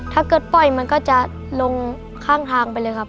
ถ้าเกิดปล่อยมันก็จะลงข้างทางไปเลยครับ